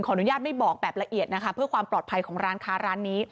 อนุญาตไม่บอกแบบละเอียดนะคะเพื่อความปลอดภัยของร้านค้าร้านนี้